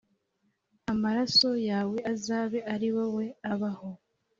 Amaraso yawe azabe ari wowe abaho.”